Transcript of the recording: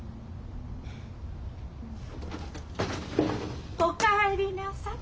うん。お帰りなさい。